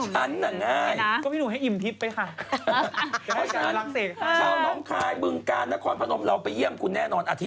พวกหนูกินอะไรก็ได้